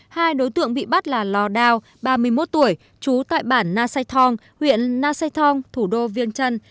hai đối tượng bị bắt là lò đào ba mươi một tuổi chú tại bản na say thong huyện na say thong thủ đô viêng trân